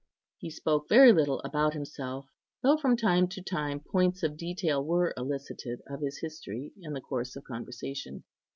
He spoke very little about himself, though from time to time points of detail were elicited of his history in the course of conversation.